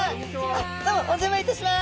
どうもお邪魔いたします。